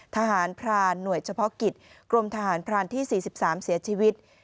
ทหารพรานหน่วยเฉพาะกิจกรมทหารพรานที่๔๓เสียชีวิต